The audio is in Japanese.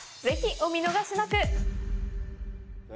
ぜひお見逃しなく。